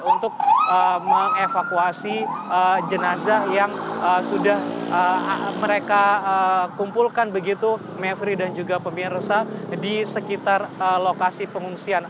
untuk mengevakuasi jenazah yang sudah mereka kumpulkan begitu mevri dan juga pemirsa di sekitar lokasi pengungsian